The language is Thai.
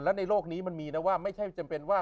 แล้วในโลกนี้มันมีนะว่าไม่ใช่จำเป็นว่า